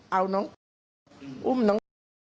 เอาน้องอุ้มน้องออม